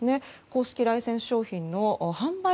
公式ライセンス商品の販売